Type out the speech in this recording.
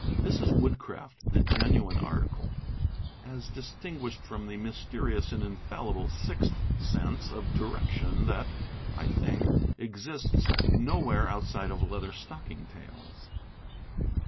This is woodcraft — the genuine article — as distinguished from the mys terious and infallible "sixth sense" of direction that, I think, exists nowhere outside of Leatherstocking Tales.